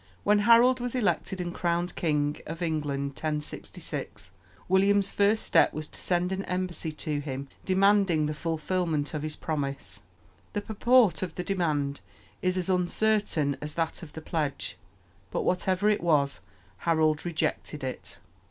When Harold was elected and crowned King of England (1066), William's first step was to send an embassy to him demanding the fulfilment of his promise. The purport of the demand is as uncertain as that of the pledge; but, whatever it was, Harold rejected it.